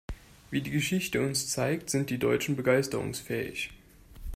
Wie die Geschichte uns zeigt, sind die Deutschen begeisterungsfähig.